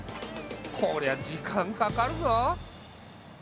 こりゃ時間かかるぞ。